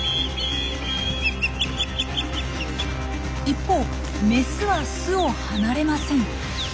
一方メスは巣を離れません。